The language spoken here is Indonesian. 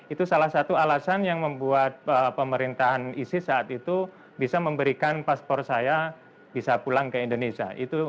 itu salah satu alasan yang membuat pemerintahan isis saat itu bisa memberikan paspor saya bisa pulang ke indonesia